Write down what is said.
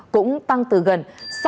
cũng tăng từ gần